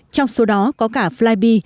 trong số đó có cả flybee